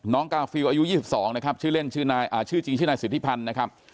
กาฟิลอายุ๒๒นะครับชื่อเล่นชื่อจริงชื่อนายสิทธิพันธ์นะครับ